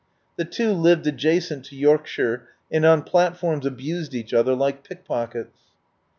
The two lived adjacent in Yorkshire, and on plat forms abused each other like pickpockets.